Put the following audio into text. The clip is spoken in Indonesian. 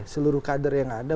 seluruh kader yang ada